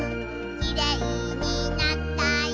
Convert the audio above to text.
「きれいになったよ